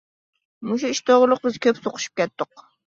مۇشۇ ئىش توغرىلىق بىز كۆپ سوقۇشۇپ كەتتۇق.